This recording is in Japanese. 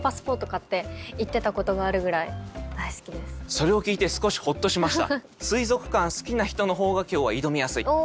それを聞いて少しほっとしました。